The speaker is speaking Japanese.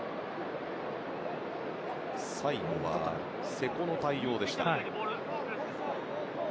最後は瀬古の対応でした。